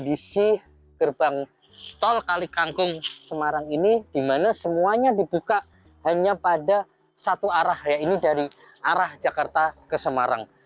di mana semuanya dibuka hanya pada satu arah ya ini dari arah jakarta ke semarang